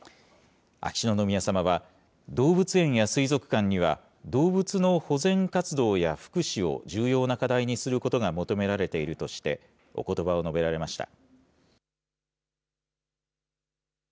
秋篠宮さまは、動物園や水族館には動物の保全活動や福祉を重要な課題にすることが求められているとして、おことばを述べられました。